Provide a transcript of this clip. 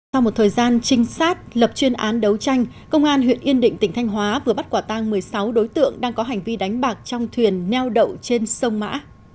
sau một thời gian trinh sát lập chuyên án đấu tranh công an huyện yên định tỉnh thanh hóa vừa bắt quả tang một mươi sáu đối tượng đang có hành vi đánh bạc trong thuyền neo đậu trên sông mã